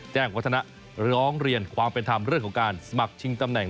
วัฒนะร้องเรียนความเป็นธรรมเรื่องของการสมัครชิงตำแหน่ง